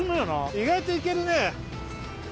意外といけるね。